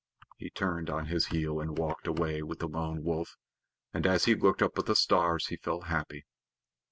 He turned on his heel and walked away with the Lone Wolf, and as he looked up at the stars he felt happy.